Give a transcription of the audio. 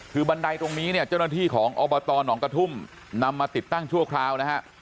คือบันไดตรงนี้เนี่ยเจ้าหน้าที่ของอบตหนองกระทุ่มนำมาติดตั้งชั่วคราวนะฮะ